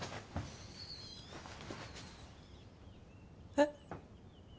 えっ。